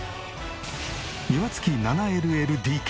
庭付き７ＬＬＤＫ